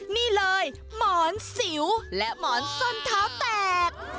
นี่เลยหมอนสิวและหมอนส้นเท้าแตก